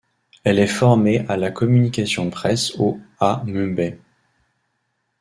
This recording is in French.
Elle est formée à la communication-presse au à Mumbai.